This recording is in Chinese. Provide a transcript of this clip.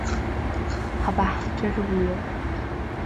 这一拍摄技巧提高了镜头的真实性和影片的节奏感。